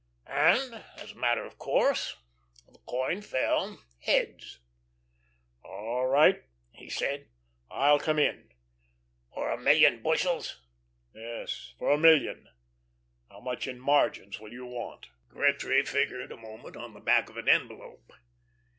And as a matter of course the coin fell heads. "All right," he said, "I'll come in." "For a million bushels?" "Yes for a million. How much in margins will you want?" Gretry figured a moment on the back of an envelope.